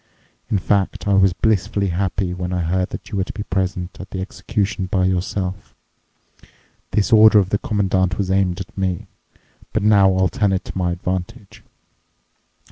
In fact, I was blissfully happy when I heard that you were to be present at the execution by yourself. This order of the Commandant was aimed at me, but now I'll turn it to my advantage.